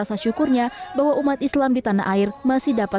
hidul idul adha lagi tunggu pada ibadahnya